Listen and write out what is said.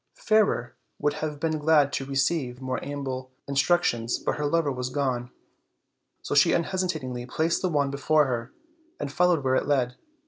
Fairer would have been glad to have received more ample instructions, but her lover was gone; so she un hesitatingly placed the wand before her, and followed where it led.